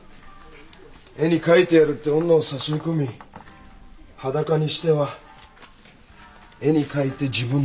「絵に描いてやる」って女を誘い込み裸にしては絵に描いて自分の女にする。